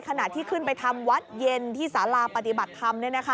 ขณะที่ขึ้นไปทำวัดเย็นที่สาราปฏิบัติธรรม